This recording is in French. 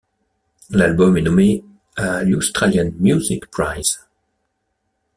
L'album est nommé à l'Australian Music Prize.